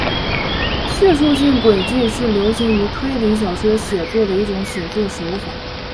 叙述性诡计是流行于推理小说写作的一种写作手法。